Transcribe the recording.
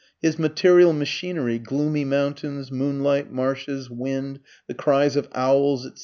His material machinery (gloomy mountains, moonlight, marshes, wind, the cries of owls, etc.)